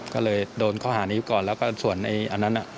ก็เลยโดนข้อหานี้ก่อนแล้วก็ส่วนอันนั้น